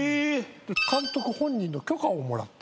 監督本人の許可をもらって。